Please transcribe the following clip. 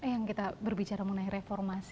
yang kita berbicara mengenai reformasi